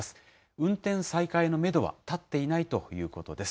運転再開のメドは立っていないということです。